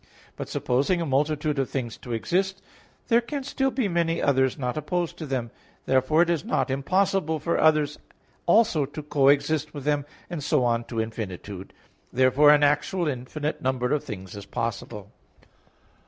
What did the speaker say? But supposing a multitude of things to exist, there can still be many others not opposed to them. Therefore it is not impossible for others also to coexist with them, and so on to infinitude; therefore an actual infinite number of things is possible.